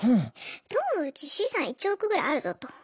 どうもうち資産１億ぐらいあるぞと。